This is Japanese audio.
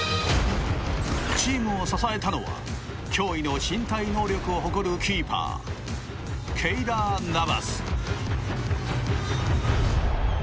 チームを支えたのは驚異の身体能力を誇るキーパーケイラー・ナバス。